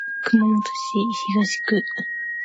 熊本市東区